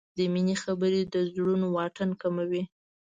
د مینې خبرې د زړونو واټن کموي.